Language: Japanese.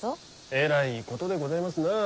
えらいことでございますなあ。